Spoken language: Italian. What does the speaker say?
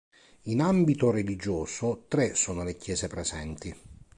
In ambito religioso tre sono le chiese presenti.